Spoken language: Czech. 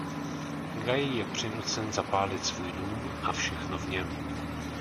Guy je přinucen zapálit svůj dům a všechno v něm.